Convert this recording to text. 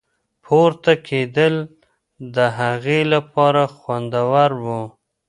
پورته کېدل د هغې لپاره خوندور وو.